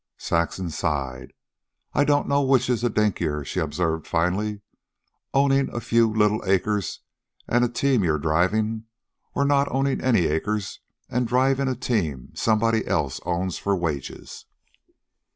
Saxon sighed. "I don't know which is the dinkier," she observed finally, " owning a few little acres and the team you're driving, or not owning any acres and driving a team somebody else owns for wages."